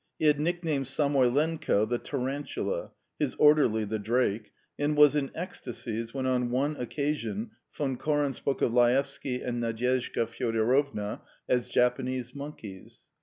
He had nicknamed Samoylenko "the tarantula," his orderly "the drake," and was in ecstasies when on one occasion Von Koren spoke of Laevsky and Nadyezhda Fyodorovna as "Japanese monkeys."